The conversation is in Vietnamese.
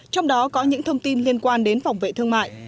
trong đó có những thông tin liên quan đến phòng vệ thương mại